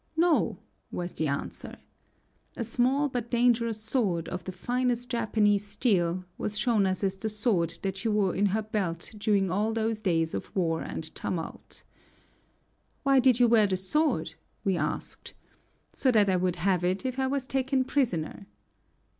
"No," was the answer. A small but dangerous sword, of the finest Japanese steel, was shown us as the sword that she wore in her belt during all those days of war and tumult. "Why did you wear the sword?" we asked. "So that I would have it if I was taken prisoner."